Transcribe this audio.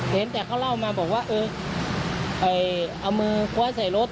เห็นตัวเขาเล่ามาบอกว่าเออเอ๋เอามือเฮ้าไส้รถ